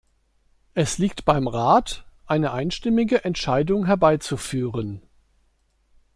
Es liegt beim Rat, eine einstimmige Entscheidung herbeizuführen.